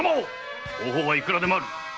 方法はいくらでもある。